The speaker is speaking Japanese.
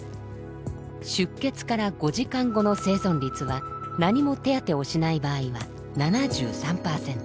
出血から５時間後の生存率は何も手当てをしない場合は７３％。